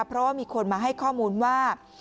เพราะว่ามีคนมาให้ข้อมูลว่า